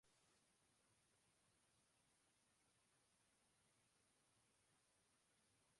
小学校に入る前のことだ、僕はこの団地に引っ越してきた